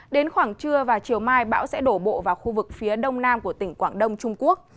đến khoảng trưa và chiều mai bão sẽ đổ bộ vào khu vực phía đông nam của tỉnh quảng đông trung quốc